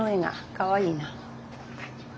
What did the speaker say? かわいいな。